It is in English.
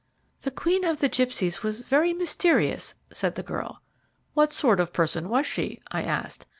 "The Queen of the Gipsies was very mysterious," said the girl. "What sort of person was she?" I asked.